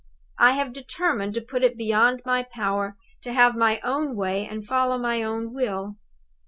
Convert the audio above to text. I have determined to put it beyond my power to have my own way and follow my own will.